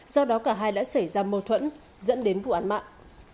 do đó cả hai đã xảy ra mâu thuẫn dẫn đến vụ án mạng